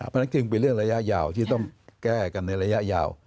เพราะฉะนั้นจึงเป็นเรื่องระยะยาวที่ต้องแก้กันในระยะยาว